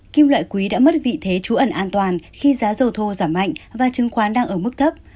kim loại quý đã mất vị thế trú ẩn an toàn khi giá dầu thô giảm mạnh và chứng khoán đang ở mức thấp